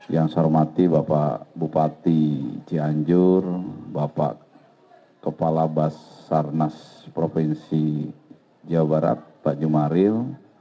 yang saya hormati bapak bupati cianjur bapak kepala basarnas provinsi jawa barat pak jumaril